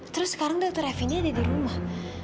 terus sekarang dokter fnd ada di rumah